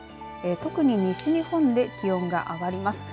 特に西日本で気温が上がります。